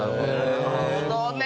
なるほどね！